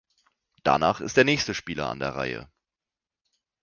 Danach ist der nächste Spieler an der Reihe.